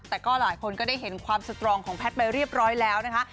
แต่ก็หลายคนก็ได้เห็นความสตรองของแพทย์ไปเรียบร้อยแล้วนะคะ